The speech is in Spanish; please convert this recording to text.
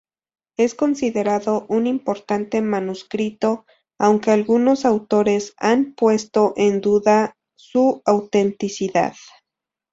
Es considerado un importante manuscrito, aunque algunos autores han puesto en duda su autenticidad.